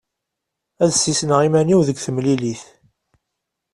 Ad d-ssisneɣ iman-iw deg temlilit.